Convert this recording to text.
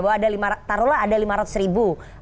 bahwa taruhlah ada lima ratus ribu